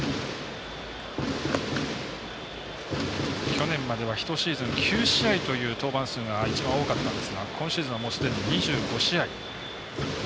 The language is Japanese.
去年までは１シーズン９試合という登板数が一番多かったんですが今シーズンは、すでに２５試合。